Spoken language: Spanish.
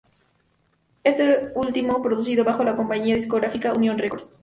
Este último producido bajo la compañía discográfica Univision Records.